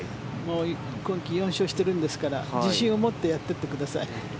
今季４勝しているんですから自信を持ってやっていってください。